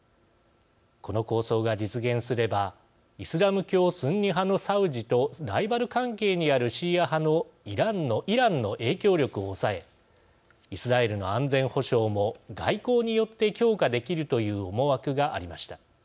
この構想が実現すればイスラム教スンニ派のサウジとライバル関係にあるシーア派のイランの影響力を抑えイスラエルの安全保障も外交によって強化できるという思惑がありました。